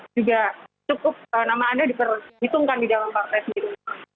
juga cukup nama anda diperhitungkan di dalam partai sendiri